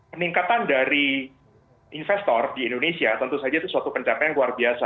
peningkatan dari investor di indonesia tentu saja itu suatu pencapaian yang luar biasa